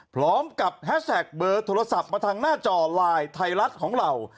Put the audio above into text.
พร้อมกับแฮสแท็กเบอร์โทรศัพท์มาทางหน้าจอไลน์ไทยรัฐของเรา